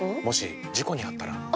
もし事故にあったら？